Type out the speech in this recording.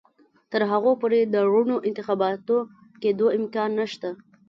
تر هغو پورې د رڼو انتخاباتو کېدو امکان نشته.